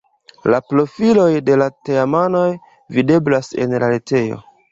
La profiloj de la teamanoj videblas en la retejo.